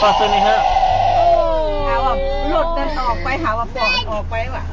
อ่าวววรถเดินออกไปหาววววป่อออกไปว่ะ